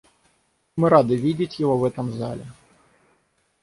Мы рады видеть его в этом зале.